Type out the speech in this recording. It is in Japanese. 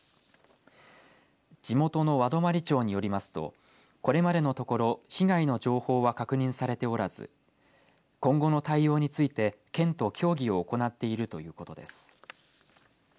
地元の和泊町によりますとこれまでのところ被害の情報は確認されておらず今後の対応について県と協議を行っているということです。